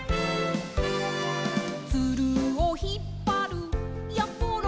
「ツルをひっぱるやころ」